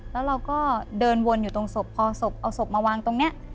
แล้วเราก็เดินวนอยู่ตรงศพพอศพเอาศพมาวางตรงนี้